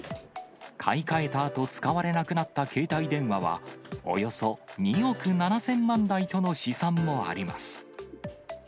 買い換えたあと、使われなくなった携帯電話は、およそ２億７０００万台との試算もあります。